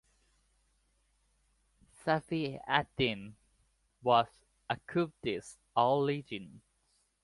Safi-ad-din was of Kurdish origins.